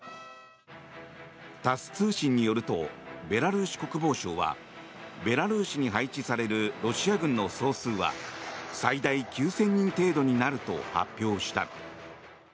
タス通信によるとベラルーシ国防省はベラルーシに配置されるロシア軍の総数は最大９０００人程度になると発表した。